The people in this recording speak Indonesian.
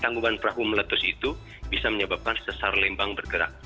tanggupan perahu meletus itu bisa menyebabkan sesar lembang bergerak